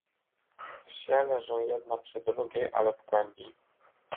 Wsie leżą jedna przy drugiej, ale w głębi.